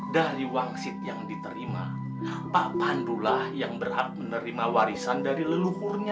dari wangsit yang diterima pak pandulah yang berhak menerima warisan dari leluhurnya